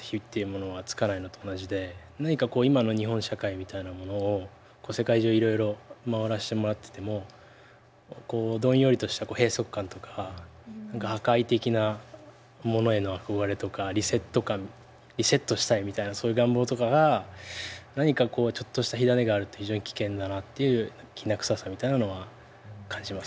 今の日本社会みたいなものを世界中いろいろ回らしてもらっててもどんよりとした閉塞感とか何か破壊的なものへの憧れとかリセット感リセットしたいみたいなそういう願望とかが何かこうちょっとした火種があると非常に危険だなっていうきな臭さみたいなのは感じますね。